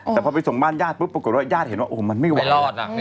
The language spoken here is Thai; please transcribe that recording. แต่พอไปส่งบ้านญาติปรากฎแล้วญาติเห็นว่ามันไม่รอด